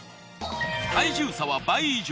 体重差は倍以上。